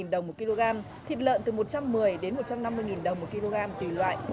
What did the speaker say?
một trăm năm mươi đồng một kg thịt lợn từ một trăm một mươi đến một trăm năm mươi đồng một kg tùy loại